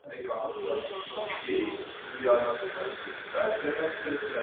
Գյուղի կողքով անցնում են մի քանի երկաթուղային ճյուղեր։